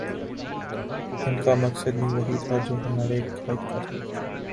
ان کا مقصد بھی وہی تھا جو ہمارے قاہد کا تھا